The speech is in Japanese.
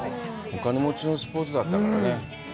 お金持ちのスポーツだったからね。